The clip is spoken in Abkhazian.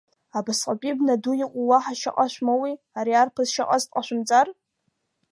Абасҟатәи бна-ду иҟоу уаҳа шьаҟа шәмоуи, ари арԥыс шьаҟас дҟашәымҵар?